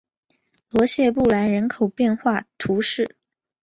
罗谢布兰人口变化图示